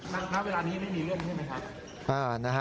ณเวลานี้ไม่มีเรื่องใช่ไหมครับ